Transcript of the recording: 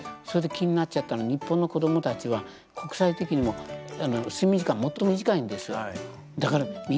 それで気になっちゃったの日本の子どもたちは国際的にも睡眠時間もっと短いんですよ。